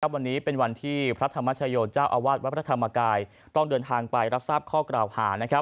วันนี้เป็นวันที่พระธรรมชโยเจ้าอาวาสวัดพระธรรมกายต้องเดินทางไปรับทราบข้อกล่าวหา